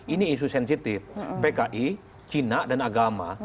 ini isu sensitif pki cina dan agama